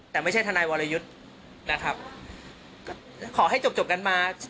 แต่ไม่ใช่ทนายวรยุทธ์นะครับก็ขอให้จบจบกันมา